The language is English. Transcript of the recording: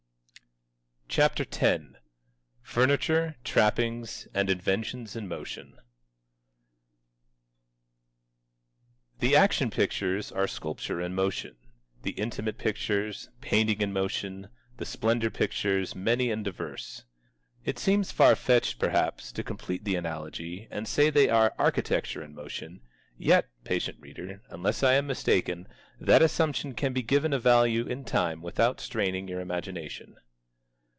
CHAPTER X FURNITURE, TRAPPINGS, AND INVENTIONS IN MOTION The Action Pictures are sculpture in motion, the Intimate Pictures, paintings in motion, the Splendor Pictures, many and diverse. It seems far fetched, perhaps, to complete the analogy and say they are architecture in motion; yet, patient reader, unless I am mistaken, that assumption can be given a value in time without straining your imagination.